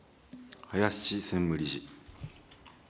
林専務理事。